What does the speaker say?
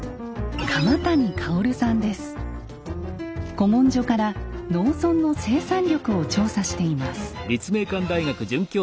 古文書から農村の生産力を調査しています。